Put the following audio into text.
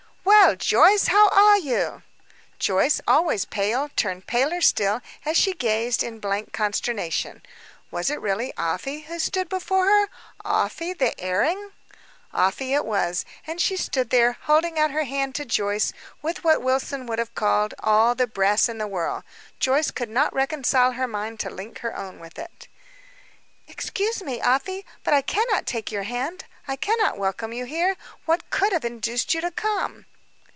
"Well, Joyce, how are you?" Joyce, always pale, turned paler still, as she gazed in blank consternation. Was it really Afy who stood before her Afy, the erring? Afy it was. And she stood there, holding out her hand to Joyce, with what Wilson would have called, all the brass in the world. Joyce could not reconcile her mind to link her own with it. "Excuse me, Afy, but I cannot take your hand, I cannot welcome you here. What could have induced you to come?"